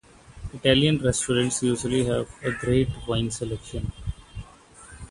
Italian restaurants usually have a great wine selection.